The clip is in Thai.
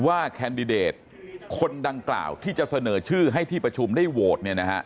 แคนดิเดตคนดังกล่าวที่จะเสนอชื่อให้ที่ประชุมได้โหวต